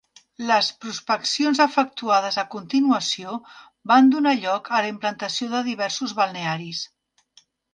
Les prospeccions efectuades a continuació van donar lloc a la implantació de diversos balnearis.